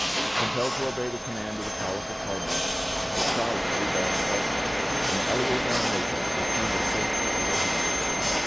Compelled to obey the command of the powerful Cardinal, the crowd drew back sullenly; and Eleazar and Rachel returned in safety to their home.